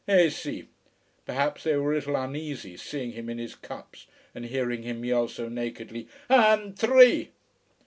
Eh si!" Perhaps they were a little uneasy, seeing him in his cups and hearing him yell so nakedly: AND THREE!